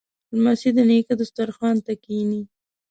لمسی د نیکه دسترخوان ته کیني.